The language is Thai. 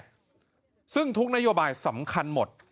ซึ่งทุกนโยบายสำคัญหมด